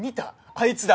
「あいつだ」